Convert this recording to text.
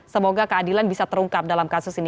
semoga keadilan bisa terungkap dalam kasus ini